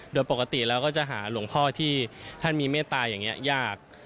โดยปกติเราก็จะหาหลวงพ่อที่ท่านมีเมตตาอย่างนี้ยาก